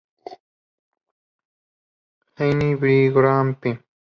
Eine Biographie.